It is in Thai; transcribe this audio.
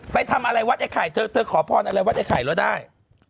ไปทำอะไรวัดไอ้ไข่เธอเธอขอพรอะไรวัดไอไข่แล้วได้